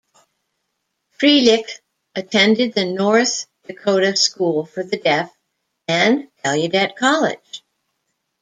Frelich attended the North Dakota School for the Deaf and Gallaudet College.